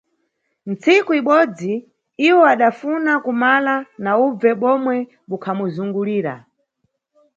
Ntsiku ibodzi iwo adafuna kumala na ubve bomwe bukhamuzungulira.